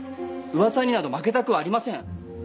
噂になど負けたくはありません！